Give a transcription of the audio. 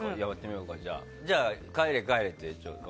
じゃあ、帰れ帰れってちょっと。